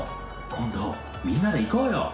「今度みんなで行こうよ！」。